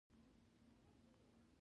مونټریال یو کلتوري او اقتصادي ښار دی.